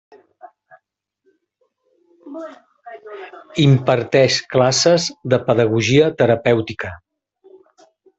Imparteix classes de Pedagogia Terapèutica.